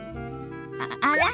あら？